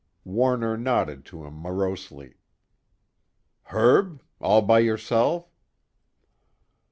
Warner nodded to him morosely. "Herb. All by yourself?"